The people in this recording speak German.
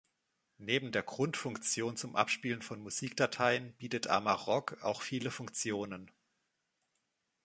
Neben der Grundfunktion zum Abspielen von Musikdateien bietet Amarok auch viele Funktionen.